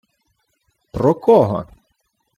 — Про кого?